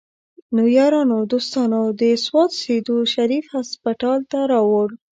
نو يارانو دوستانو د سوات سيدو شريف هسپتال ته راوړو